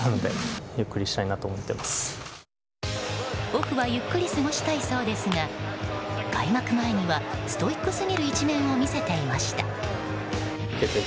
オフはゆっくり過ごしたいそうですが開幕前にはストイックすぎる一面を見せていました。